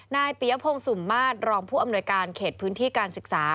นายปียพงศุมมาตรรองผู้อำนวยการเขตพื้นที่การศึกษา